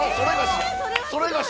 ◆それがし！